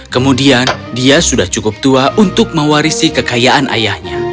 kemudian dia sudah cukup tua untuk mewarisi kekayaan ayahnya